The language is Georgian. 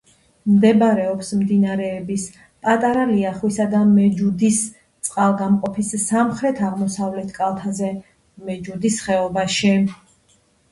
მდებარეობს მდინარეების პატარა ლიახვისა და მეჯუდის წყალგამყოფის სამხრეთ-აღმოსავლეთ კალთაზე, მეჯუდის ხეობაში.